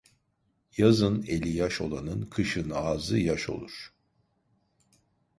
Yazın eli yaş olanın, kışın ağzı yaş olur.